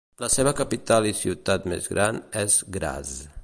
La seva capital i ciutat més gran és Graz.